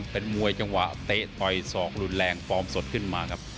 เป็นมวยจังหวะเตะต่อยศอกรุนแรงฟอร์มสดขึ้นมาครับ